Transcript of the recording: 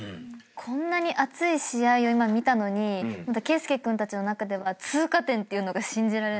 こんなに熱い試合を今見たのに圭佑君たちの中では通過点っていうのが信じられない。